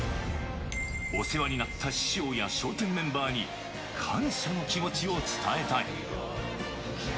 お世話になった師匠や笑点メンバーに、感謝の気持ちを伝えたい。